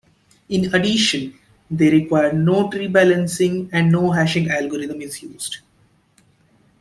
In addition, they require no tree balancing and no hashing algorithm is used.